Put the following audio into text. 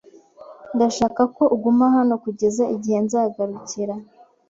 Ndashaka ko uguma hano kugeza igihe nzagarukira.